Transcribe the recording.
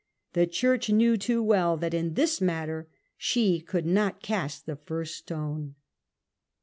The Church knew too well that in this matter she could not cast the first stone.